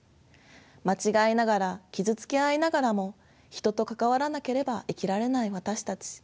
間違いながら傷つけ合いながらも人と関わらなければ生きられない私たち。